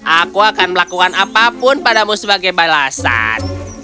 aku akan melakukan apapun padamu sebagai balasan